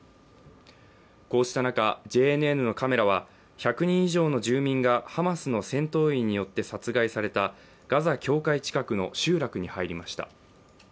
こうした中、ＪＮＮのカメラは１００人以上の住民がハマスの戦闘員によって殺害されたガザ境界近くの集落に入りました。